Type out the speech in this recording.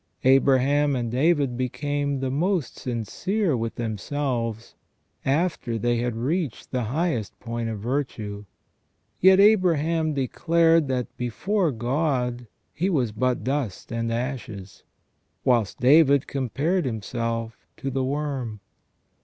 Abraham and David became the most sincere with themselves after they had reached the highest point of virtue ; yet Abraham declared that before God he was but dust and ashes, whilst David compared himself to the worm.